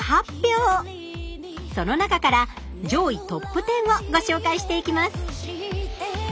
その中から上位トップテンをご紹介していきます！